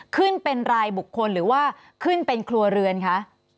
ขึ้นเป็นรายบุคคลหรือว่าขึ้นเป็นครัวเรือนคะ